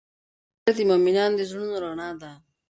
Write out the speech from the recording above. ذکر د مؤمنانو د زړونو رڼا ده.